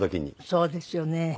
そうですね。